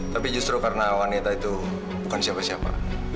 tapi justru karena wanita itu bukan siapa siapa